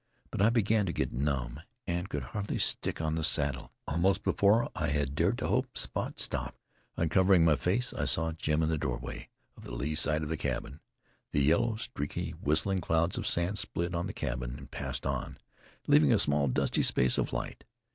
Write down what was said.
But I began to get numb, and could hardly stick on the saddle. Almost before I had dared to hope, Spot stopped. Uncovering my face, I saw Jim in the doorway of the lee side of the cabin. The yellow, streaky, whistling clouds of sand split on the cabin and passed on, leaving a small, dusty space of light.